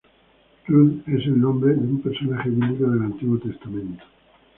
Rut es el nombre de un personaje bíblico del Antiguo Testamento.